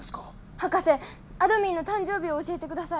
博士あどミンの誕生日を教えてください。